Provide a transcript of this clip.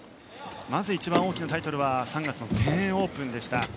まず一番大きなタイトルは３月の全英オープンでした。